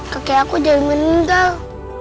kakek aku jangan meninggal